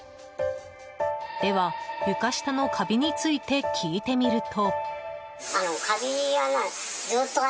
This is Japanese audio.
では、床下のカビについて聞いてみると。